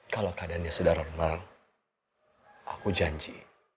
kalau keadaannya sudah normal aku janji